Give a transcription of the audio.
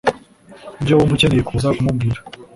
ibyo wumva ukeneye kuza kumubwira